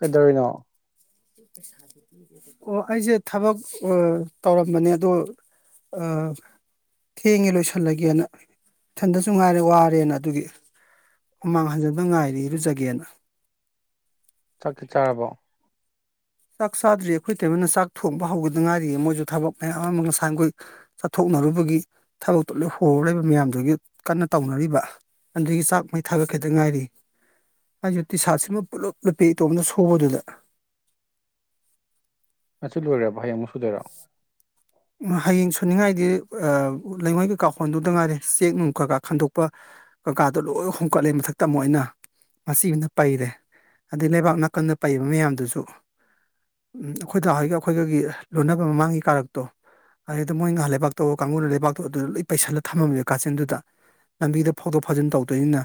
ꯀꯩꯗꯧꯔꯤꯅꯣ ꯑꯣ ꯑꯩꯁꯦ ꯊꯕꯛ ꯑꯥ ꯇꯧꯔꯝꯕꯅꯦ ꯑꯗꯣ ꯑꯥ ꯊꯦꯡꯉꯦ ꯂꯣꯏꯁꯜꯂꯒꯦꯅ ꯏꯊꯟꯗꯁꯨ ꯉꯥꯏꯔꯦ ꯋꯥꯔꯦꯅ ꯑꯗꯨꯒꯤ ꯍꯨꯃꯥꯡ ꯍꯟꯖꯟꯕ ꯉꯥꯏꯔꯤ ꯏꯔꯨꯖꯥꯒꯦꯅ ꯆꯥꯛꯇꯤ ꯆꯥꯔꯕꯣ ꯆꯥꯛ ꯆꯥꯗ꯭ꯔꯤ ꯑꯈꯣꯏ ꯇꯩꯃꯅ ꯆꯥꯛ ꯊꯣꯡꯕ ꯍꯧꯒꯤꯗꯉꯥꯏꯔꯤ ꯃꯣꯏꯁꯨ ꯊꯕꯛ ꯃꯌꯥꯝ ꯑꯃ ꯉꯁꯥꯏꯒꯣꯏ ꯆꯠꯊꯣꯛ ꯅꯔꯨꯕꯒꯤ ꯊꯕꯛꯇꯣ ꯍꯣꯔ ꯂꯩꯕ ꯃꯌꯥꯝꯗꯨꯒꯤ ꯀꯟꯅ ꯇꯧꯅꯔꯤꯕ ꯑꯗꯨꯒꯤ ꯆꯥꯛ ꯃꯩ ꯊꯥꯒꯠꯈꯤꯗ ꯉꯥꯏꯔꯤ ꯑꯩꯁꯨ ꯇꯤ ꯁꯥꯔꯠꯁꯤꯃ ꯄꯨꯂꯨꯞ ꯂꯨꯞꯄꯦ ꯏꯇꯣꯝꯅ ꯁꯨꯕꯗꯨꯗ ꯉꯁꯤ ꯂꯣꯏꯔꯕꯣ ꯍꯌꯦꯡ ꯑꯃꯨꯛ ꯁꯨꯗꯣꯏꯔꯣ ꯍꯌꯦꯡ ꯁꯨꯅꯤꯡꯉꯥꯏꯗꯤ ꯂꯩꯉꯣꯏ ꯀꯩꯀꯥ ꯍꯣꯟꯗꯨꯗ ꯉꯥꯏꯔꯦ ꯆꯦꯛ ꯅꯨꯡ ꯀꯩꯀꯥ ꯈꯟꯗꯣꯛꯄ ꯀꯀꯥꯗꯣ ꯂꯣꯏ ꯍꯣꯟꯀꯠꯂꯦ ꯃꯊꯛꯇ ꯑꯃꯨꯛ ꯑꯩꯅ ꯃꯁꯤꯃꯗ ꯄꯩꯔꯦ ꯑꯗꯩ ꯂꯩꯕꯥꯛ ꯅꯥꯀꯟꯗ ꯄꯩꯕ ꯃꯌꯥꯝꯗꯨꯁꯨ ꯎꯝ ꯑꯈꯣꯏ ꯗꯥ ꯍꯣꯏꯒ ꯑꯈꯣꯏꯒꯒꯤ ꯂꯣꯟꯅꯕ ꯃꯃꯥꯡꯒꯤ ꯀꯥꯔꯛ ꯇꯣ ꯑꯗꯨꯗ ꯃꯣꯏ ꯉꯍꯥꯛ ꯂꯩꯕꯥꯛꯇꯧ ꯀꯥꯡꯒꯨꯅ ꯂꯩꯕꯥꯛꯇꯣ ꯑꯗꯨꯗ ꯂꯣꯏ ꯄꯩꯁꯜꯂ ꯊꯝꯃꯝꯃꯦꯕ ꯀꯥꯆꯤꯟꯗꯨꯗ ꯂꯝꯕꯤꯗ ꯐꯥꯎꯗꯣꯛ ꯐꯥꯎꯖꯤꯟ ꯇꯧꯗꯣꯏꯅꯤꯅ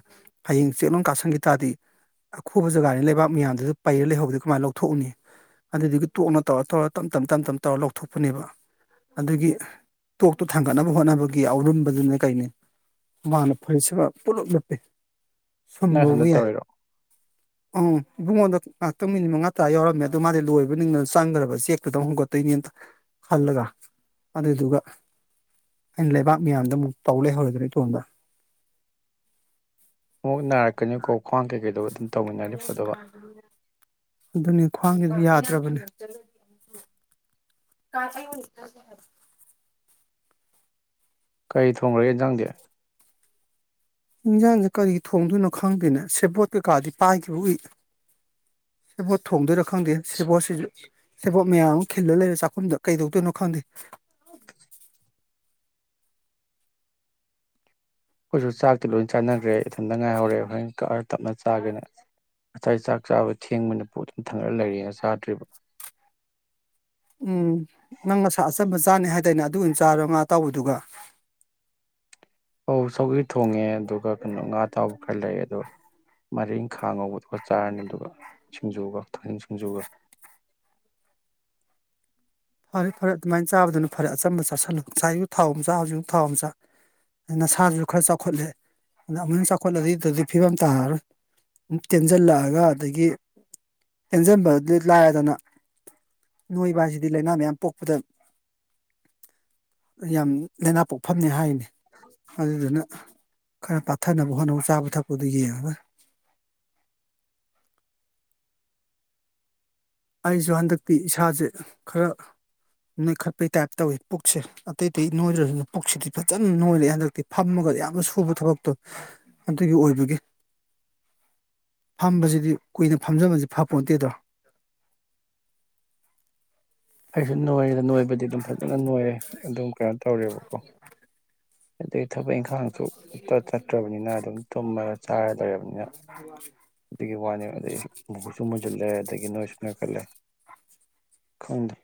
ꯍꯌꯦꯡ ꯆꯦꯛꯂꯣꯟ ꯀꯥꯁꯤꯟꯈꯤ ꯇꯥꯔꯗꯤ ꯑꯈꯨꯕ ꯖꯒꯥꯅꯤ ꯂꯩꯕꯥꯛ ꯃꯌꯥꯝꯗꯨꯗ ꯄꯩꯔ ꯂꯩꯍꯧꯕꯗꯨ ꯀꯃꯥꯏꯅ ꯂꯧꯊꯣꯛꯎꯅꯤ ꯑꯗꯨꯗꯨꯒꯤ ꯇꯣꯛꯅ ꯇꯧꯔ ꯇꯧꯔ ꯇꯞ ꯇꯞ ꯇꯞ ꯇꯞ ꯇꯧꯔ ꯂꯧꯊꯣꯛꯄꯅꯦꯕ ꯑꯗꯨꯒꯤ ꯇꯣꯛꯇꯣ ꯊꯥꯡꯒꯠꯅꯕ ꯍꯣꯠꯅꯕꯒꯤ ꯑꯔꯨꯝꯕꯗꯨꯅꯦ ꯀꯩꯅꯦ ꯍꯨꯃꯥꯡꯅ ꯐꯨꯔꯤꯠꯁꯤꯃ ꯄꯨꯂꯞ ꯂꯨꯞꯄꯦ ꯅꯪ ꯅꯊꯟꯗ ꯁꯨꯕꯕꯧ ꯌꯥꯏ ꯇꯧꯔꯤꯔꯣ ꯑꯝ ꯏꯕꯨꯡꯉꯗ ꯉꯥꯏꯍꯥꯛꯇꯪ ꯃꯤꯅꯤꯠ ꯃꯉꯥ ꯇꯔꯥ ꯌꯥꯎꯔꯝꯃꯦ ꯑꯗꯨ ꯃꯥꯗꯤ ꯂꯣꯏꯔꯕꯣꯏ ꯅꯤꯡꯗꯅ ꯆꯪꯈ꯭ꯔꯕ ꯆꯦꯛꯇꯨꯗꯪ ꯍꯣꯟꯒꯠꯇꯣꯏ ꯅꯦꯅ ꯈꯜꯂꯒ ꯑꯗꯨꯗꯨꯒ ꯑꯩꯅ ꯂꯩꯕꯥꯛ ꯃꯌꯥꯝꯗꯨ ꯑꯃꯨꯛ ꯇꯧ ꯂꯩꯍꯧꯔꯦꯗꯅ ꯏꯇꯣꯝꯗ [inaudible] ꯃꯨꯛ ꯅꯥꯔꯛꯀꯅꯤꯀꯣ ꯈ꯭ꯋꯥꯡ ꯀꯩꯀꯩꯗꯣ ꯑꯗꯨꯝ ꯇꯧꯃꯤꯟꯅꯔꯗꯤ ꯐꯗꯧꯕ ꯑꯗꯨꯅꯤ ꯈ꯭ꯋꯥꯡꯁꯤꯁꯨ ꯌꯥ [unintelligible] ꯀꯩ ꯊꯣꯡꯈ꯭ꯔꯒꯦ ꯌꯦꯟꯖꯥꯡꯗꯤ ꯏꯟꯁꯥꯡꯁꯦ ꯀꯔꯤ ꯊꯣꯡꯗꯣꯏꯅꯣ ꯈꯪꯗꯦꯅꯦ ꯁꯦꯕꯣꯠ ꯀꯩꯀꯥꯗꯤ ꯄꯥꯏꯈꯤꯕ ꯎꯏ [inaudible] ꯁꯦꯕꯣꯠ ꯊꯣꯡꯗꯣꯏꯔ ꯈꯪꯗꯦ ꯁꯦꯕꯣꯠꯁꯤꯁꯨ ꯁꯦꯕꯣꯠ ꯃꯌꯥꯝ ꯑꯃ ꯈꯤꯜꯂ ꯂꯩꯔꯦ ꯆꯥꯛꯈꯨꯝꯗ ꯀꯩꯗꯧꯗꯣꯏꯅꯣ ꯈꯪꯗꯦ [inaudible] ꯑꯈꯣꯏꯁꯨ ꯆꯥꯛꯇꯤ ꯂꯣꯏ ꯆꯥꯅꯈ꯭ꯔꯦ ꯏꯊꯟꯇ ꯉꯥꯏꯍꯧꯔꯦ ꯍꯣꯔꯦꯟ ꯀꯛꯑ ꯇꯞꯅ ꯆꯥꯒꯦꯅ ꯉꯁꯥꯏ ꯆꯥꯛ ꯆꯥꯕ ꯊꯦꯡꯕꯅꯤꯅ ꯄꯨꯛ ꯑꯗꯨꯝ ꯊꯟꯒꯠꯂ ꯂꯩꯔꯦꯅ ꯆꯥꯗ꯭ꯔꯤꯕ ꯎꯝ ꯅꯪ ꯉꯁꯥ ꯑꯆꯝꯕ ꯆꯥꯅꯤ ꯍꯥꯏꯗꯥꯏꯅꯦ ꯑꯗꯨ ꯑꯣꯏꯅ ꯆꯥꯔꯣ ꯉꯥ ꯑꯇꯥꯎꯕꯗꯨꯒ ꯑꯧ ꯁꯧꯒ꯭ꯔꯤ ꯊꯣꯡꯉꯦ ꯑꯗꯨꯒ ꯀꯩꯅꯣ ꯉꯥ ꯑꯇꯥꯎꯕ ꯈꯔ ꯂꯩ ꯑꯗꯣ ꯃꯔꯤꯟꯈꯥ ꯉꯧꯕꯗꯨꯒ ꯆꯥꯔꯅꯤ ꯑꯗꯨꯒ ꯁꯤꯡꯖꯨꯒ ꯊꯥꯖꯤꯡ ꯁꯤꯡꯖꯨꯒ [inaudible] ꯐꯔꯦ ꯐꯔꯦ ꯑꯗꯨꯃꯥꯏꯅ ꯆꯥꯕꯗꯨꯅ ꯐꯔꯦ ꯑꯆꯝꯕ ꯆꯥꯁꯤꯜꯂꯨ ꯉꯁꯥꯁꯨ ꯊꯥꯎ ꯑꯃꯨꯛ ꯆꯥ ꯍꯧꯖꯤꯛꯁꯨ ꯊꯥꯎ ꯑꯃꯨꯛ ꯆꯥ ꯑ ꯅꯁꯥꯗꯨꯁꯨ ꯈꯔ ꯆꯥꯎꯈꯠꯂꯦ ꯑ ꯑꯃꯨꯛ ꯍꯦꯟꯅ ꯆꯥꯎꯈꯠꯂꯗꯤ ꯑꯗꯩ ꯐꯤꯕꯝ ꯇꯥꯔꯔꯣꯏ ꯇꯦꯟꯁꯤꯜꯂꯛꯑꯒ ꯑꯗꯒꯤ ꯇꯦꯟꯖꯤꯟꯕꯗꯤ ꯂꯥꯏꯔꯗꯅ ꯅꯣꯏꯕ ꯍꯥꯏꯁꯤꯗꯤ ꯂꯥꯏꯅ ꯃꯌꯥꯝ ꯄꯣꯛꯄꯗ ꯌꯥꯝ ꯂꯥꯏꯅ ꯄꯣꯛꯐꯝꯅꯦ ꯍꯥꯏꯅꯤ ꯑꯗꯨꯗꯨꯅ ꯈꯔ ꯄꯥꯊꯅꯕ ꯍꯣꯠꯅꯧ ꯆꯥꯕ ꯊꯛꯄꯗꯨ ꯌꯦꯡꯉꯒ [inaudible] ꯑꯩꯁꯨ ꯍꯟꯗꯛꯇꯤ ꯏꯁꯥꯁꯦ ꯈꯔ ꯅꯣꯏ ꯈꯠꯄꯩ ꯇꯥꯏꯞ ꯇꯧꯏ ꯄꯨꯛꯁꯦ ꯑꯇꯩ ꯑꯇꯩ ꯅꯣꯏꯗ꯭ꯔꯁꯨ ꯄꯨꯛꯁꯤꯗꯤ ꯐꯖꯅ ꯅꯣꯏꯔꯛꯑꯦ ꯍꯟꯗꯛꯇꯤ ꯐꯝꯃꯒ ꯌꯥꯝꯅ ꯁꯨꯕ ꯊꯕꯛꯇꯣ ꯑꯗꯨꯒꯤ ꯑꯣꯏꯕꯒꯤ [inaudible] ꯐꯝꯕꯁꯤꯗꯤ ꯀꯨꯏꯅ ꯐꯝꯖꯟꯕꯁꯤ ꯐꯄꯣꯟꯇꯦꯗꯣ ꯑꯩꯁꯨ ꯅꯣꯏ ꯅꯣꯏꯕꯗꯤ ꯑꯗꯨꯝ ꯐꯖꯅ ꯅꯣꯏꯔꯦ ꯑꯗꯨꯝ ꯀꯩꯅꯣ ꯇꯧꯔꯦꯕꯀꯣ ꯑꯗꯨ ꯑꯗꯨꯝ ꯇꯨꯝꯃꯒ ꯆꯥꯔ ꯂꯩꯔꯕꯅꯤꯅ [inaudible] ꯑꯗꯨꯒꯤ ꯋꯥꯅꯤ ꯑꯗꯩ ꯃꯨꯁꯨ ꯃꯨꯁꯤꯜꯂꯦ ꯑꯗꯒꯤ ꯅꯣꯏꯁꯨ ꯅꯣꯏꯈꯠꯂꯦ ꯈꯪꯗꯦ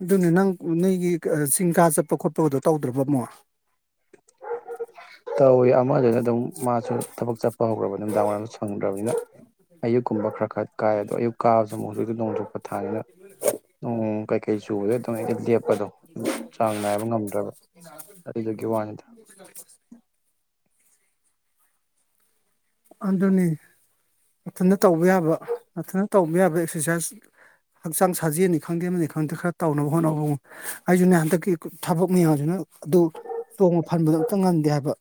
ꯑꯗꯨꯅꯦ ꯅꯪ ꯅꯣꯏꯒꯤ ꯆꯤꯡꯒꯥꯥ ꯆꯠꯄ ꯈꯣꯠꯄꯒꯗꯣ ꯇꯧꯗ꯭ꯔꯕ ꯑꯃꯨꯛ [inaudible] ꯇꯧꯏ ꯑꯃꯗꯨꯅ ꯑꯗꯨꯝ ꯃꯥꯁꯨ ꯊꯕꯛ ꯆꯠꯄ ꯍꯧꯈ꯭ꯔꯕꯅꯤꯅ ꯅꯨꯡꯗꯥꯡ ꯋꯥꯏꯔꯝꯁꯨ ꯐꯪꯗ꯭ꯔꯕꯅꯤꯅ ꯑꯌꯨꯛꯀꯨꯝꯕ ꯈꯔ ꯈꯔ ꯀꯥꯏꯌꯦ ꯑꯗꯣ ꯑꯌꯨꯛ ꯀꯥꯕꯁꯨ ꯑꯃꯨꯛ ꯍꯧꯖꯤꯛ ꯅꯣꯡꯖꯨ ꯄꯟꯊꯥꯅꯤꯅ ꯅꯣꯡ ꯀꯩꯀꯩ ꯆꯨꯕꯗ ꯑꯗꯨꯝ ꯑꯩꯗꯤ ꯂꯦꯞꯄꯗꯣ ꯆꯥꯡ ꯅꯥꯏꯕ ꯉꯝꯗ꯭ꯔꯕ ꯑꯗꯨꯗꯨꯒꯤ ꯋꯥꯅꯤꯗ [inaudible] ꯑꯗꯨꯅꯤ ꯃꯊꯟꯗ ꯇꯧꯕ ꯌꯥꯕ ꯃꯊꯟꯇ ꯇꯧꯕ ꯌꯥꯕ ꯑꯦꯛꯁ꯭ꯔꯁꯥꯏꯁ ꯍꯛꯆꯥꯡ ꯁꯥꯖꯦꯜꯅꯤ ꯈꯪꯗꯦ ꯑꯃꯅꯤ ꯈꯪꯗꯦ ꯈꯔ ꯇꯧꯅꯕ ꯍꯣꯠꯅꯧ ꯑꯩꯁꯨꯅꯦ ꯍꯟꯗꯛꯀꯤ ꯊꯕꯛ ꯃꯌꯥꯝꯁꯤꯅ ꯑꯗꯨ ꯆꯣꯡꯕ ꯐꯟꯕꯗꯣ ꯑꯝꯇ ꯉꯝꯗꯦ ꯍꯥꯏꯕ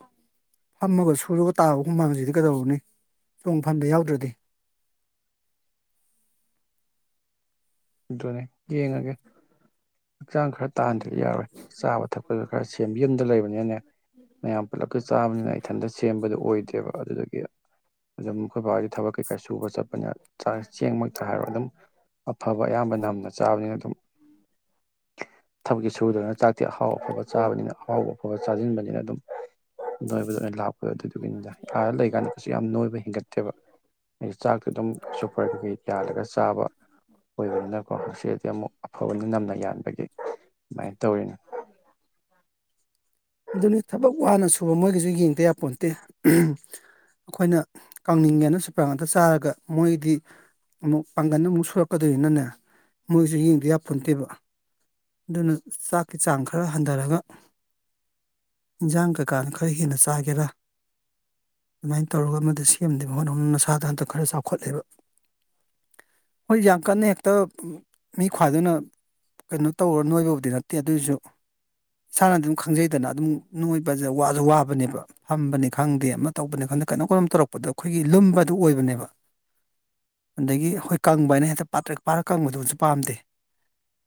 ꯐꯝꯃꯒ ꯁꯨꯔꯒ ꯇꯥꯕ ꯍꯨꯃꯥꯡꯖꯤꯗꯤ ꯀꯗꯧꯔꯨꯅꯤ ꯆꯣꯡꯐꯟꯕ ꯌꯥꯎꯗ꯭ꯔꯗꯤ ꯑꯗꯨꯅꯤ ꯌꯦꯡꯉꯒꯦ ꯍꯛꯆꯥꯡ ꯈꯔ ꯇꯥꯍꯟꯗꯗꯤ ꯌꯥꯔꯔꯣꯏ ꯆꯥꯕ ꯊꯛꯄꯗ ꯈꯔ ꯁꯦꯝꯕ ꯌꯨꯝꯗ ꯂꯩꯕꯅꯤꯅꯅꯦ ꯃꯌꯥꯝ ꯄꯨꯜꯂꯞꯀ ꯆꯥꯕꯅꯤꯅ ꯏꯊꯟꯇ ꯁꯦꯝꯕꯗꯨ ꯑꯣꯏꯗꯦꯕ ꯑꯗꯨꯗꯨꯒꯤ ꯑꯗꯨꯝ ꯑꯈꯣꯏ ꯕꯥ ꯍꯣꯢꯖꯨ ꯊꯕꯛ ꯀꯩꯀꯥ ꯁꯨꯕ ꯆꯠꯄꯅꯤꯅ ꯆꯦꯡꯃꯛꯇ ꯍꯥꯏꯔꯣ ꯑꯗꯨꯝ ꯑꯐꯕ ꯑꯌꯥꯝꯕ ꯅꯝꯅ ꯆꯥꯕꯅꯤꯅ ꯑꯗꯨꯝ ꯊꯕꯛꯇꯤ ꯁꯨꯗꯅ ꯆꯥꯛ ꯇꯤ ꯑꯍꯥꯎ ꯑꯐꯕ ꯆꯥꯕꯅꯤꯅ ꯑꯍꯥꯎ ꯑꯐꯕ ꯆꯥꯁꯤꯟꯕꯅꯤꯅ ꯑꯗꯨꯝ ꯅꯣꯏꯕꯗ ꯑꯣꯏꯅ ꯂꯥꯛꯄ ꯑꯗꯨꯗꯨꯒꯤꯅꯤꯗ ꯑꯥꯗ ꯂꯩꯀꯥꯟꯗ ꯀꯩꯁꯨ ꯌꯥꯝ ꯅꯣꯏꯕ ꯍꯦꯟꯒꯠꯇꯦꯕ ꯑꯩꯒꯤ ꯆꯥꯛꯁꯨ ꯑꯗꯨꯝ ꯁꯨꯄꯔ ꯀꯩꯀꯩ ꯌꯥꯜꯂꯒ ꯆꯥꯕ ꯑꯣꯏꯕꯅꯤꯅꯀꯣ ꯁꯤꯗꯗꯤ ꯑꯃꯨꯛ ꯑꯐꯕꯅ ꯅꯝꯅ ꯌꯥꯟꯕꯒꯤ ꯑꯗꯨꯃꯥꯏꯅ ꯇꯧꯔꯤꯅ [inaudible] ꯑꯗꯨꯅꯤ ꯊꯕꯛ ꯋꯥꯅ ꯁꯨꯕ ꯃꯣꯏꯒꯤꯁꯨ ꯌꯦꯡꯗ ꯌꯥꯄꯣꯟꯇꯦ ꯑꯈꯣꯏꯅ ꯀꯪꯅꯤꯡꯒꯦꯅ ꯁꯨꯄꯔ ꯉꯥꯛꯇ ꯆꯥꯔꯒ ꯃꯣꯏꯗꯤ ꯑꯃꯨꯛ ꯄꯥꯡꯒꯟꯅ ꯑꯃꯨꯛ ꯁꯨꯔꯛꯀꯗꯣꯏꯅꯤꯅꯅꯦ ꯃꯣꯏꯁꯨ ꯌꯦꯡꯗ ꯌꯥꯄꯣꯟꯇꯦꯕ ꯑꯗꯨꯅ ꯆꯥꯛꯀꯤ ꯆꯥꯡ ꯈꯔ ꯍꯟꯊꯔꯒ ꯏꯟꯁꯥꯡ ꯀꯩ ꯀꯥꯅ ꯈꯔ ꯍꯦꯟꯅ ꯆꯥꯒꯦꯔ ꯑꯗꯨꯃꯥꯏꯅ ꯇꯧꯔꯒ ꯃꯗꯨ ꯁꯦꯝꯅꯕ ꯍꯣꯠꯅꯧ ꯅꯁꯥꯗꯣ ꯍꯟꯇꯛ ꯈꯔ ꯆꯥꯎꯈꯠꯂꯦꯕ ꯍꯣꯏ ꯌꯥꯝ ꯀꯟꯅ ꯍꯦꯛꯇ ꯃꯤ ꯈ꯭ꯋꯥꯗꯧꯅ ꯀꯩꯅꯣ ꯇꯧꯔ ꯅꯣꯏꯕꯕꯨꯗꯤ ꯅꯠꯇꯦ ꯑꯗꯨꯏꯁꯨ ꯏꯁꯥꯅꯗꯤ ꯑꯗꯨꯝ ꯈꯪꯖꯩꯗꯅ ꯑꯗꯨꯝ ꯅꯣꯏꯕ ꯋꯥꯁꯨ ꯋꯥꯕꯅꯦꯕ ꯐꯝꯕꯅꯤ ꯈꯪꯗꯦ ꯑꯃ ꯇꯧꯕꯅꯤ ꯈꯪꯗꯦ ꯀꯩꯅꯣ ꯀꯩꯅꯣꯝ ꯇꯧꯔꯛꯄꯗ ꯑꯈꯣꯏꯒꯤ ꯂꯨꯝꯕ ꯑꯗꯨ ꯑꯣꯏꯕꯅꯦꯕ [inaudible] ꯑꯗꯒꯤ ꯑꯈꯣꯏ ꯀꯪꯕ ꯍꯥꯏꯅ ꯍꯦꯛꯇ ꯄꯥꯠꯇ꯭ꯔ ꯄꯥꯔ ꯀꯪꯕꯗꯨꯕꯁꯨ ꯄꯥꯝꯗꯦ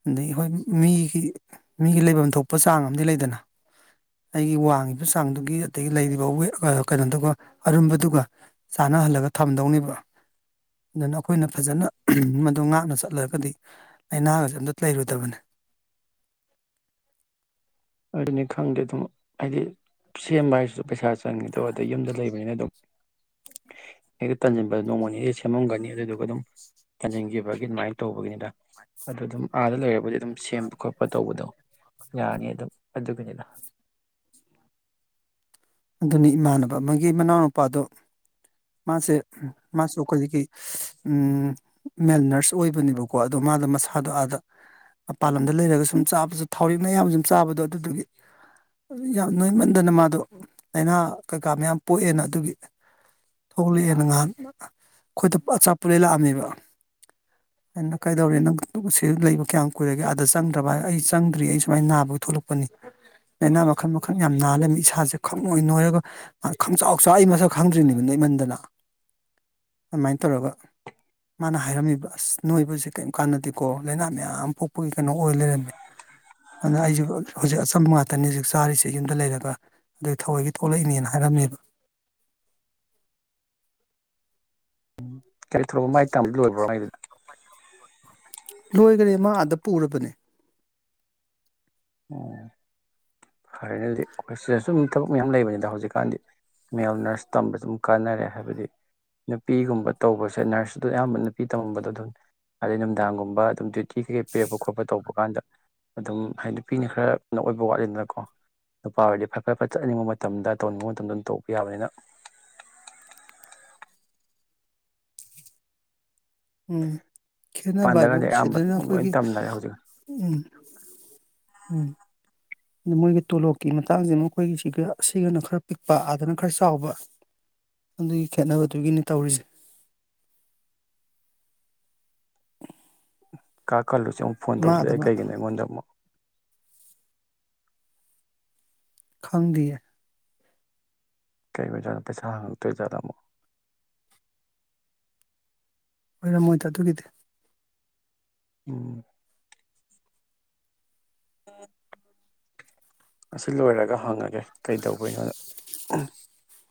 ꯑꯗꯒꯤ ꯍꯣꯏ ꯃꯤꯒꯤ ꯃꯤꯒꯤ ꯂꯩꯐꯝ ꯊꯣꯛꯄ ꯆꯥꯡ ꯑꯃꯗꯤ ꯂꯩꯗꯅ ꯑꯩꯒꯤ ꯋꯥꯡꯉꯤꯕ ꯆꯥꯡꯗꯨꯒꯤ ꯑꯗꯒꯤ ꯂꯩꯔꯤꯕꯋ ꯀꯩꯅꯣꯗꯨꯒ ꯑꯔꯨꯝꯕꯗꯨꯒ ꯆꯥꯟꯅꯍꯜꯂꯒ ꯊꯝꯗꯧꯅꯦꯕ ꯑꯗꯨꯅ ꯑꯈꯣꯏꯅ ꯐꯖꯅ ꯃꯗꯨ ꯉꯥꯛꯅ ꯆꯠꯂꯒꯗꯤ ꯂꯥꯏꯅꯥꯒꯁꯦ ꯑꯝꯇ ꯂꯩꯔꯣꯏꯗꯕꯅꯤ [inaudible] ꯑꯗꯨꯅꯤ ꯈꯪꯗꯦ ꯑꯗꯨꯝ ꯍꯥꯏꯗꯤ ꯁꯦꯝꯕ ꯍꯥꯏꯁꯤꯁꯨ ꯄꯩꯁꯥ ꯆꯪꯉꯤꯗꯣ ꯑꯗ ꯌꯨꯝꯗ ꯂꯩꯕꯅꯤꯅ ꯑꯗꯨꯝ ꯑꯩꯇꯗꯤ ꯇꯟꯁꯤꯟꯕꯗ ꯅꯣꯡꯃꯅꯤꯅꯤ ꯁꯦꯝꯃꯝꯒꯅꯤ ꯑꯗꯨꯗꯨꯒ ꯑꯗꯨꯝ ꯊꯟꯖꯤꯟꯈꯤꯕꯒꯤ ꯑꯗꯨꯃꯥꯏꯅ ꯇꯧꯕꯒꯤꯅꯤꯗ ꯑꯗꯨ ꯑꯗꯨꯝ ꯑꯥꯗ ꯂꯩꯔꯕꯨꯗꯤ ꯑꯗꯨꯝ ꯁꯦꯝꯕ ꯈꯣꯠꯄ ꯇꯧꯕꯗꯣ ꯌꯥꯅꯤ ꯑꯗꯨꯝ ꯑꯗꯨꯒꯅꯤꯅ ꯑꯗꯨꯅꯤ ꯏꯃꯥꯟꯅꯕ ꯑꯃꯒꯤ ꯃꯅꯥꯎꯅꯨꯄꯥꯗꯣ ꯃꯥꯁꯦ ꯃꯥꯁꯨ ꯑꯩꯈꯣꯏꯒꯤ ꯀꯩ ꯎꯝ ꯃꯜ ꯅꯔꯁ ꯑꯣꯏꯕꯅꯦꯕꯀꯣ ꯑꯗꯨꯝ ꯃꯥꯗꯣ ꯃꯁꯥꯗꯣ ꯑꯥꯗ ꯃꯄꯥꯟ ꯂꯝꯗ ꯂꯩꯔꯒ ꯁꯨꯝ ꯆꯥꯕꯁꯨ ꯊꯥꯎꯔꯦꯛ ꯃꯌꯥꯝ ꯁꯨꯝ ꯆꯥꯕꯗꯣ ꯑꯗꯨꯗꯨꯒꯤ ꯌꯥꯝ ꯅꯣꯏꯃꯟꯗꯅ ꯃꯥꯗꯣ ꯂꯥꯏꯅꯥ ꯀꯩꯀꯥ ꯃꯌꯥꯝ ꯄꯣꯛꯑꯦꯅ ꯑꯗꯨꯒꯤ ꯊꯣꯛꯂꯦꯛꯑꯦꯅ ꯉꯍꯥꯟ ꯑꯩꯈꯣꯏꯗ ꯄꯨꯔ ꯑꯆꯥꯄꯣꯠ ꯂꯩ ꯂꯥꯛꯑꯝꯃꯦꯕ [inaudible] ꯑꯩꯅ ꯀꯩꯗꯧꯔꯦ ꯅꯪ ꯁꯤ ꯂꯩꯕ ꯀꯌꯥꯝ ꯀꯨꯏꯔꯒꯦ ꯑꯥꯗ ꯆꯪꯗ꯭ꯔꯕ ꯑꯩ ꯆꯪꯗ꯭ꯔꯦ ꯑꯩ ꯁꯨꯃꯥꯏꯅ ꯅꯥꯕꯒꯤ ꯊꯣꯛꯂꯛꯄꯅꯤ ꯂꯩꯅꯥ ꯃꯈꯜ ꯃꯈꯜ ꯌꯥꯝ ꯅꯥ ꯂꯩꯔꯝꯃꯦ ꯏꯁꯥꯁꯦ ꯈꯪꯅꯣꯏ ꯅꯣꯏꯔꯒ ꯈꯪꯆꯥꯎ ꯆꯥꯎ ꯑꯩ ꯃꯁꯛ ꯈꯪꯗ꯭ꯔꯤꯅꯦꯃꯤ ꯅꯣꯏꯃꯟꯗꯅ ꯑꯃꯥꯏꯅ ꯇꯧꯔꯒ ꯃꯥꯅ ꯍꯥꯏꯔꯝꯃꯤꯕ ꯑꯁ ꯅꯣꯏꯕꯁꯦ ꯀꯩꯝ ꯀꯥꯟꯅꯗꯦꯀꯣ ꯂꯥꯏꯅꯥ ꯃꯌꯥꯝ ꯄꯣꯛꯄꯒꯤ ꯀꯩꯅꯣ ꯑꯣꯏ ꯂꯩꯔꯝꯃꯦ ꯑꯗꯨꯅ ꯑꯩꯖꯨ ꯍꯧꯖꯤꯛ ꯑꯆꯝꯕ ꯉꯥꯛꯇꯅꯤ ꯍꯧꯖꯤꯛ ꯆꯥꯔꯤꯁꯦ ꯌꯨꯝꯗ ꯂꯩꯔꯒ ꯑꯗꯩ ꯊꯋꯣꯏꯒꯤ ꯊꯣꯛꯂꯛꯏꯅꯦꯅ ꯍꯥꯏꯔꯝꯃꯦꯕ ꯀꯔꯤ ꯊꯧꯔꯛꯄ ꯃꯥꯏ ꯇꯝꯕꯗꯤ ꯂꯣꯏꯕ꯭ꯔꯣ ꯃꯥꯏꯗꯨꯅ ꯂꯣꯏꯒꯔꯦ ꯃꯥ ꯑꯥꯗ ꯄꯨꯔꯕꯅꯦ ꯑꯣ ꯐꯔꯦꯅꯦ ꯑꯗꯨꯗꯤ ꯑꯩꯈꯣꯏ ꯁꯤꯗꯁꯨ ꯊꯕꯛ ꯃꯌꯥꯝ ꯂꯩꯕꯅꯤꯗ ꯍꯧꯖꯤꯛꯀꯥꯟꯗꯤ ꯃꯦꯜ ꯅꯔꯁ ꯇꯝꯕꯁꯨ ꯑꯗꯨꯝ ꯀꯥꯟꯅꯔꯦ ꯍꯥꯏꯕꯗꯤ ꯅꯨꯄꯤꯒꯨꯝꯕ ꯇꯧꯕꯁꯦ ꯅꯔꯁꯇꯣ ꯑꯌꯥꯝꯕ ꯅꯨꯄꯤ ꯇꯝꯃꯝꯕꯗꯣ ꯑꯗꯨꯝ ꯑꯗꯩ ꯅꯨꯡꯗꯥꯡꯒꯨꯝꯕ ꯑꯗꯨꯝ ꯀꯦ ꯀꯩꯀꯩ ꯄꯤꯔꯛꯄ ꯈꯣꯠꯄ ꯇꯧꯕ ꯀꯥꯟꯗ ꯑꯗꯨꯝ ꯍꯥꯏ ꯅꯨꯄꯤꯅ ꯈꯔ ꯀꯩꯅꯣ ꯑꯣꯏꯕ ꯋꯥꯠꯂꯤꯗꯅꯀꯣ ꯅꯨꯄꯥ ꯑꯣꯏꯔꯗꯤ ꯐꯠ ꯐꯠ ꯐꯠ ꯆꯠꯅꯤꯡꯕ ꯃꯇꯝꯗ ꯇꯧꯅꯤꯡꯕ ꯃꯇꯝꯗ ꯑꯗꯨꯝ ꯇꯧꯕ ꯌꯥꯕꯅꯤꯅ [unintelligible] ꯎꯝ ꯈꯦꯠꯅꯕ ꯍꯥꯏꯕꯨ ꯄꯥꯟꯗꯒꯗꯤ ꯑꯌꯥꯝꯕ ꯁꯤꯗꯅ ꯂꯣꯏ ꯑꯩꯈꯣꯏꯒꯤ ꯇꯝꯅꯔꯦ ꯍꯧꯖꯤꯛ ꯎꯝ ꯎꯝ ꯃꯣꯏꯒꯤ ꯇꯣꯂꯣꯞꯀꯤ ꯃꯇꯥꯡꯁꯦ ꯃꯈꯣꯏꯒꯤ ꯁꯤꯒ ꯑꯁꯤꯒꯅ ꯈꯔ ꯄꯤꯛꯄ ꯑꯥꯗꯅ ꯈꯔ ꯆꯥꯎꯕ ꯑꯗꯨꯒꯤ ꯈꯦꯠꯅꯕꯗꯨꯒꯤꯅꯦ ꯇꯧꯔꯤꯁꯦ [inaudible] ꯀꯥ ꯀꯜꯂꯨꯁꯤ ꯑꯃꯨꯛ ꯐꯣꯟ ꯃꯥ ꯇꯧꯁꯤꯜꯂꯛꯑꯦ ꯑꯗꯨꯃ ꯀꯩꯒꯤꯅꯣ ꯑꯩꯉꯣꯟꯗ ꯑꯃꯨꯛ ꯈꯪꯗꯤꯌꯦ ꯀꯩ ꯑꯣꯏꯖꯥꯠꯅꯣ ꯄꯩꯁꯥ ꯍꯥꯡꯉꯛꯇꯣꯏꯖꯥꯠꯂ ꯑꯃꯨꯛ ꯑꯣꯏꯔꯝꯃꯣꯏꯗ ꯑꯗꯨꯒꯤꯗꯤ ꯎꯝ ꯑꯁꯤ ꯂꯣꯏꯔꯒ ꯍꯪꯉꯒꯦ ꯀꯩꯗꯧꯕꯩꯅꯣꯅ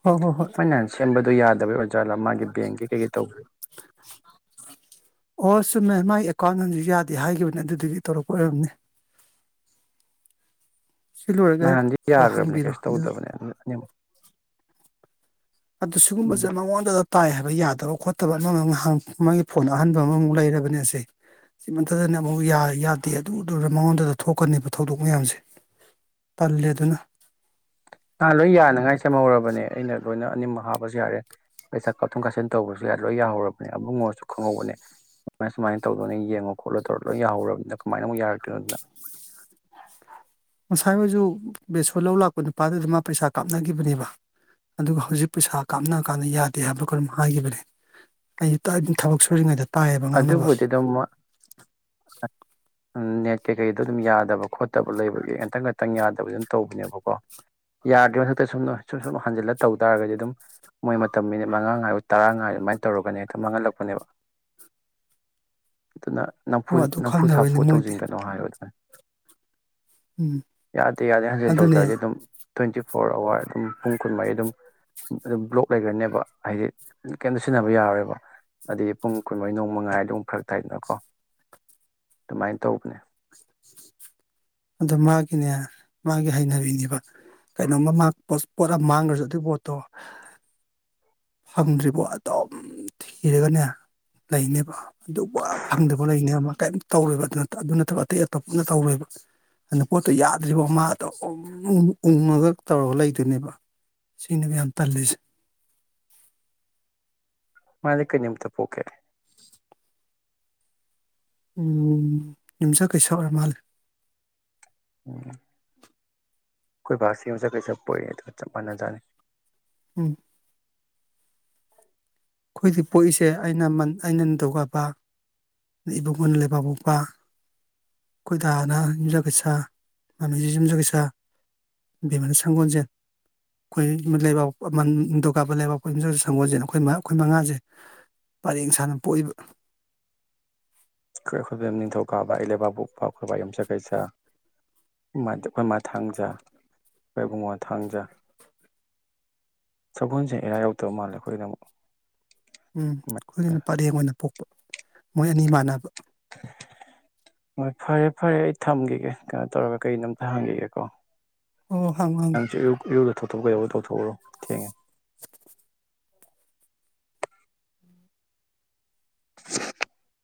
ꯍꯣꯏ ꯍꯣꯏ ꯍꯣꯏ ꯃꯣꯏ ꯅꯍꯥꯟ ꯁꯦꯝꯕꯗꯣ ꯌꯥꯗꯕꯩ ꯑꯣꯏ ꯖꯥꯠꯂꯥ ꯃꯥꯒꯤ ꯕꯦꯡꯒꯤ ꯀꯩꯀꯩ ꯇꯧꯕꯗꯣ ꯑꯣ ꯆꯨꯝꯃꯦ ꯃꯥꯏ ꯑꯦꯀꯥꯎꯟ ꯍꯧꯖꯤꯛ ꯌꯥꯗꯦ ꯍꯥꯏꯒꯤꯈꯤꯕꯅꯦ ꯑꯗꯨꯗꯨꯒꯤ ꯇꯧꯔꯛꯄ ꯑꯣꯏꯔꯝꯒꯅꯤ ꯁꯤ ꯂꯣꯏꯔꯒ ꯍꯦꯛ ꯅꯍꯥꯟꯗꯤ ꯌꯥꯒ꯭ꯔꯕꯅꯦ ꯍꯪꯕꯤꯔꯣ ꯀꯩꯁꯨ ꯑꯗꯨ ꯇꯧꯗꯕꯅꯦ ꯑꯅꯤꯃꯛ ꯑꯗꯨ ꯎꯝ ꯁꯤꯒꯨꯝꯕꯁꯦ ꯃꯉꯣꯟꯗꯇ ꯇꯥꯏ ꯍꯥꯏꯕ ꯌꯥꯗꯦ ꯇꯧꯕ ꯈꯣꯠꯇꯕ ꯑꯃ ꯃ ꯍꯪ ꯃꯥꯒꯤ ꯐꯣꯟ ꯑꯍꯟꯕ ꯑꯃꯃꯨꯛ ꯂꯩꯔꯕꯅꯦꯁꯦ ꯁꯤ ꯃꯠꯇꯗꯅ ꯑꯃꯨꯛ ꯌꯥꯏ ꯌꯥꯗꯦ ꯑꯗꯨ ꯗꯨꯔ ꯃꯉꯣꯟꯗꯗ ꯊꯣꯛꯀꯅꯦꯕ ꯊꯧꯗꯣꯛ ꯃꯌꯥꯝꯁꯦ ꯇꯜꯂꯦ ꯑꯗꯨꯅ ꯥꯅꯍꯥꯟ ꯂꯣꯏ ꯌꯥꯅꯉꯥꯏ ꯁꯦꯝꯍꯧꯔꯕꯅꯦ ꯑꯩꯅ ꯂꯣꯏꯅ ꯑꯅꯤꯃꯛ ꯍꯥꯞꯄꯁꯨ ꯌꯥꯔꯦ ꯄꯩꯁꯥ ꯀꯥꯞꯊꯣꯛ ꯀꯥꯞꯁꯤꯟ ꯇꯧꯕꯁꯨ ꯌꯥ ꯂꯣꯏ ꯌꯥꯍꯧꯔꯕꯅꯦ ꯑꯕꯨꯡꯉꯣꯁꯨ ꯈꯪꯍꯧꯕꯅꯦ ꯁꯨꯃꯥꯏ ꯁꯨꯃꯥꯏꯅ ꯇꯧꯗꯣꯅꯦ ꯌꯦꯡꯉꯣ ꯈꯣꯠꯂꯣ ꯇꯧꯔꯒ ꯂꯣꯏ ꯌꯥꯍꯧꯔꯕꯅꯤꯅ ꯀꯃꯥꯏꯅ ꯑꯃꯨꯛ ꯌꯥꯔꯛ ꯇꯔꯤꯅꯣ ꯑꯗꯨꯅ [inaudible] ꯉꯁꯥꯏ ꯋꯥꯏꯖꯨ ꯕꯦꯁꯣꯟ ꯂꯧ ꯂꯥꯛꯄ ꯅꯨꯄꯥꯗꯨꯗ ꯃꯥ ꯄꯩꯁꯥ ꯀꯥꯞꯅꯈꯤꯕꯅꯦꯕ ꯑꯗꯨꯒ ꯍꯧꯖꯤꯛ ꯄꯩꯁꯥ ꯀꯥꯞꯅ ꯀꯥꯟꯗ ꯌꯥꯗꯦ ꯍꯥꯏꯕꯔ ꯀꯩꯅꯣꯝ ꯍꯥꯏꯈꯤꯕꯅꯦ ꯑꯩ ꯇꯥꯢ ꯊꯕꯛ ꯁꯨꯔꯤꯉꯩꯗ ꯇꯥꯏꯌꯦꯕ ꯉꯥꯡꯅꯕ ꯑꯗꯨꯕꯨꯗꯤ ꯑꯗꯨꯝ ꯅꯦꯠ ꯀꯩꯀꯩꯗꯣ ꯑꯗꯨꯝ ꯌꯥꯗꯕ ꯈꯣꯠꯇꯕ ꯂꯩꯕꯒꯤ ꯉꯥꯛꯇꯪ ꯉꯥꯛꯇꯪ ꯌꯥꯗꯕꯁꯨ ꯑꯗꯨꯝ ꯇꯧꯕꯅꯦꯕꯀꯣ ꯌꯥꯗꯔꯤ ꯃꯊꯛꯇ ꯁꯨꯝ ꯑꯥ ꯁꯨꯝ ꯁꯨꯝ ꯍꯟꯖꯤꯜꯂ ꯇꯧ ꯇꯥꯔꯒꯗꯤ ꯑꯗꯨꯝ ꯃꯣꯏ ꯃꯇꯝ ꯃꯤꯅꯤꯠ ꯃꯉꯥ ꯉꯥꯏꯔꯨ ꯇꯔꯥ ꯉꯥꯏꯌꯨ ꯑꯗꯨꯃꯥꯏꯅ ꯇꯧꯔꯒꯅꯦ ꯍꯦꯛꯇ ꯃꯥꯡꯍꯜꯂꯛꯄꯅꯦꯕ ꯑꯗꯨꯅ ꯅꯝꯐꯨ ꯑꯣ ꯑꯗꯨ ꯅꯝꯐꯨ ꯁꯥꯐꯨ ꯈꯪꯗꯕꯩꯅꯤ ꯃꯣꯏꯗꯤ ꯇꯧꯁꯤꯟꯒꯅꯣ ꯍꯥꯏꯔꯣ ꯑꯗꯨꯅ ꯎꯝ ꯌꯥꯗꯦ ꯌꯥꯗꯦ ꯍꯟꯖꯤꯟ ꯑꯗꯨꯅꯦ ꯇꯧꯁꯤꯜꯂꯗꯤ ꯑꯗꯨꯝ ꯇ꯭ꯋꯦꯟꯇꯤ ꯐꯣꯔ ꯑꯋꯥꯔ ꯑꯗꯨꯝ ꯄꯨꯡ ꯀꯨꯟꯃꯔꯤ ꯑꯗꯨꯝ ꯑꯗꯨꯝ ꯕ꯭ꯂꯣꯛ ꯂꯩꯒ꯭ꯔꯅꯦꯕ ꯍꯥꯏꯗꯤ ꯀꯩꯝꯇ ꯁꯤꯖꯤꯟꯅꯕ ꯌꯥꯔꯔꯣꯏꯕ ꯑꯗꯨꯗꯤ ꯄꯨꯡ ꯀꯨꯟꯃꯔꯤ ꯅꯣꯡꯃ ꯉꯥꯏꯔꯗꯤ ꯑꯗꯨꯝ ꯐꯔꯛ ꯇꯥꯏꯗꯅꯀꯣ ꯑꯗꯨꯃꯥꯏꯅ ꯇꯧꯕꯅꯦ ꯑꯗꯨ ꯃꯥꯒꯤꯅꯦ ꯃꯥꯒꯤ ꯍꯩꯅꯕꯤꯅꯦꯕ ꯀꯩꯅꯣꯝꯃ ꯃꯥ ꯄꯣꯠ ꯑꯃ ꯃꯥꯡꯈ꯭ꯔꯁꯨ ꯑꯗꯨꯏ ꯄꯣꯠꯇꯣ ꯐꯪꯗ꯭ꯔꯤꯕꯧ ꯑꯗꯨꯝ ꯊꯤꯔꯒꯅꯦ ꯂꯩꯅꯤꯕ ꯑꯗꯨ ꯋꯥ ꯐꯪꯗꯤꯕꯧ ꯂꯩꯅꯤꯕ ꯃꯥ ꯀꯩꯝꯇ ꯇꯧꯔꯣꯏꯕ ꯑꯗꯨ ꯅꯠꯇꯕ ꯑꯇꯩ ꯑꯇꯣꯞꯄ ꯑꯝꯇ ꯇꯧꯔꯣꯏꯕ ꯑꯗꯨ ꯄꯣꯠꯇꯣ ꯌꯥꯗ꯭ꯔꯤꯕꯧ ꯃꯥ ꯑꯗꯨ ꯎꯝ ꯎꯪꯉꯒ ꯇꯧꯔꯒ ꯂꯩꯗꯣꯏꯅꯦꯕ ꯁꯤꯅꯦꯕ ꯌꯥꯝ ꯇꯜꯂꯤꯁꯦ ꯃꯥꯖꯦ ꯀꯩ ꯅꯨꯃꯤꯠꯇ ꯄꯣꯛꯀꯦ ꯎꯝ ꯌꯨꯝꯖꯀꯩꯁ ꯑꯣꯏꯔ ꯃꯥꯂꯦ ꯎꯝ ꯑꯩꯈꯣꯏ ꯕꯥꯁꯤ ꯌꯨꯝꯖꯀꯩꯁ ꯄꯣꯛꯑꯦ ꯑꯗꯨꯒ ꯆꯞ ꯃꯥꯟꯅ ꯖꯥꯠꯅꯤ ꯎꯝ ꯑꯩꯈꯣꯏꯗ ꯄꯣꯛꯏꯁꯦ ꯑꯩꯅ ꯃꯟ ꯑꯩꯅ ꯅꯤꯡꯊꯧꯀꯥꯕ ꯢꯕꯨꯡꯉꯣꯅ ꯂꯩꯕꯥꯛꯄꯣꯛꯄ ꯑꯩꯈꯣꯏ ꯗꯥꯅ ꯌꯨꯝꯖꯒꯩꯁꯥ ꯃꯃꯤꯁꯨ ꯌꯨꯝꯖꯒꯩꯁꯥ ꯕꯦꯝꯃꯅ ꯁꯪꯒꯣꯟꯁꯦꯟ ꯑꯩꯈꯣꯏ ꯂꯩꯕꯥꯛꯄꯣꯛꯄ ꯃꯟ ꯅꯤꯡꯊꯧꯀꯥꯕ ꯂꯩꯕꯥꯛꯄꯣꯛꯄ ꯌꯨꯝꯖꯀꯩꯁ ꯁꯪꯒꯣꯟꯁꯦꯜ ꯑꯩꯈꯣꯏ ꯃꯥ ꯑꯩꯈꯣꯏ ꯃꯉꯥꯖꯦ ꯄꯔꯦꯡ ꯁꯥꯅ ꯄꯣꯛꯏꯕ ꯑꯩꯈꯣꯏ ꯑꯩꯈꯣꯏ ꯅꯤꯡꯊꯧꯀꯥꯕ ꯑꯩ ꯂꯩꯕꯥꯛꯄꯣꯛꯄ ꯑꯩꯈꯣꯏ ꯕꯤ ꯌꯨꯝꯁꯀꯩꯁꯥꯥ ꯃꯗꯤ ꯑꯩꯈꯣꯏ ꯃꯥ ꯊꯥꯡꯖꯥ ꯑꯩꯈꯣꯏ ꯕꯨꯡꯉꯣ ꯊꯥꯡꯖꯥ ꯁꯒꯣꯜꯁꯦꯟ ꯏꯌꯥꯎ ꯌꯥꯎꯗꯕ ꯃꯥꯜꯂꯦ ꯑꯩꯈꯣꯏꯒꯤꯅ ꯑꯃꯨꯛ ꯎꯝ ꯑꯩꯈꯣꯏꯒꯤꯅ ꯄꯔꯦꯡ ꯑꯣꯏꯅ ꯄꯣꯛꯄ ꯃꯣꯏ ꯑꯅꯤ ꯃꯥꯟꯅꯕ [unintelligible] ꯍꯣꯏ ꯐꯔꯦ ꯐꯔꯦ ꯑꯩ ꯊꯝꯈꯤꯒꯦ ꯀꯩꯅꯣ ꯇꯧꯔꯒ ꯀꯩꯅꯣꯝ ꯑꯝꯇ ꯍꯪꯈꯤꯒꯦ ꯀꯣ ꯑꯣ ꯍꯪꯉꯣ ꯍꯪꯉꯣ ꯇꯧꯊꯣꯛꯄ ꯌꯥꯕ ꯇꯧꯊꯣꯛꯎꯔꯣ ꯊꯦꯡꯉꯦ [inaudible] [unintelligible]